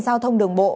giao thông đường bộ